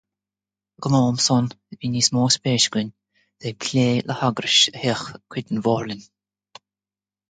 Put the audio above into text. Ag an am sin, bhí níos mó spéise againn a bheith ag plé le heagrais a théadh cuid den bhóthar linn.